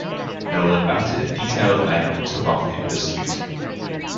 Nolan mounted a detail of men and took off in pursuit.